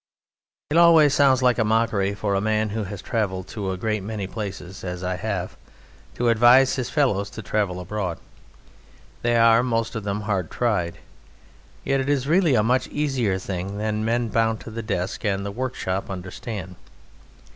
It always sounds like a mockery for a man who has travelled to a great many places, as I have, to advise his fellows to travel abroad; they are most of them hard tied. Yet it is really a much easier thing than men bound to the desk and the workshop understand.